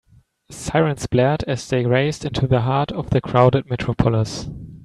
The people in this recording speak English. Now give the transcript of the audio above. Sirens blared as they raced into the heart of the crowded metropolis.